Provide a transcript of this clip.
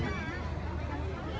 dan perayaan berjumlah dua orang